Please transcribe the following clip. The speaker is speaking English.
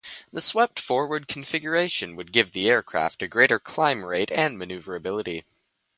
The swept-forward configuration would give the aircraft a greater climb rate and maneuverability.